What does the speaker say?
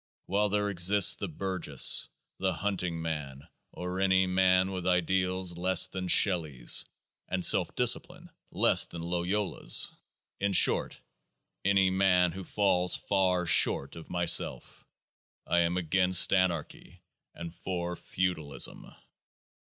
While there exists the burgess, the hunting man, or any man with ideals less than Shelley's and self discipline less than Loyola's — in short, any man who falls far short of MYSELF — I am against Anarchy, and for Feudalism.